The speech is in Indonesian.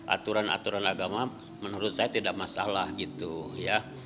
aturan aturan agama menurut saya tidak masalah gitu ya